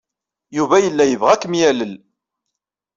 Yuba yella yebɣa ad kem-yalel.